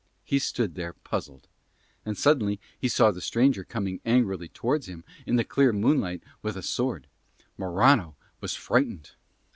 He stood there puzzled. And suddenly he saw the stranger coming angrily towards him in the clear moonlight with a sword. Morano was frightened.